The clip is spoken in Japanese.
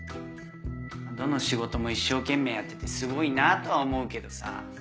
どの仕事も一生懸命やっててすごいなぁとは思うけどさ。